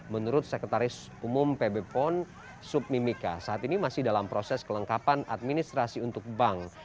menurut sekretaris umum pb pon submika saat ini masih dalam proses kelengkapan administrasi untuk bank